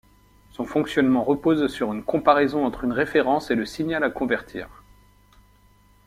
Son fonctionnement repose sur une comparaison entre une référence et le signal à convertir.